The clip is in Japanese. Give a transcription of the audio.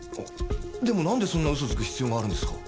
でもなんでそんな嘘をつく必要があるんですか？